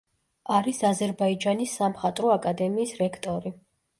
არის აზერბაიჯანის სამხატვრო აკადემიის რექტორი.